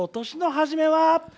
年の初めは」。